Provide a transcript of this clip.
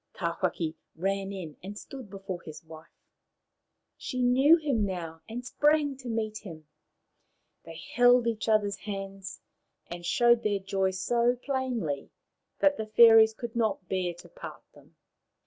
Tawhaki ran in and stood before his wife. She knew him now, and sprang to meet him. They held each other's hands, and showed their joy so plainly that the fairies could not bear to part them.